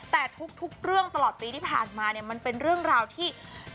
แต่ทุกเรื่องตลอดปีที่ผ่านมาเนี่ยมันเป็นเรื่องราวที่